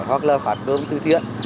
hoặc là phát cơm tư thi